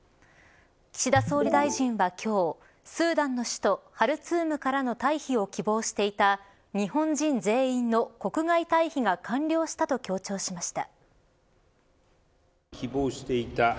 岸田総理大臣は今日スーダンの首都ハルツームからの退避を希望していた日本人全員の国外退避が完了したと強調しました。